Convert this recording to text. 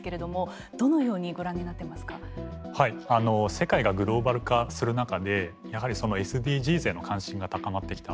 世界がグローバル化する中でやはりそのＳＤＧｓへの関心が高まってきた。